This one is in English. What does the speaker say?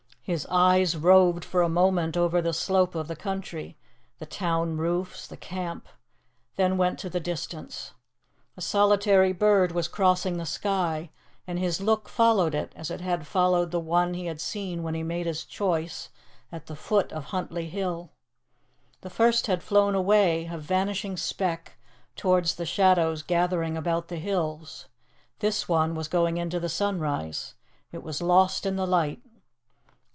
His eyes roved for a moment over the slope of the country, the town roofs, the camp, then went to the distance. A solitary bird was crossing the sky, and his look followed it as it had followed the one he had seen when he made his choice at the foot of Huntly Hill. The first had flown away, a vanishing speck, towards the shadows gathering about the hills. This one was going into the sunrise. It was lost in the light.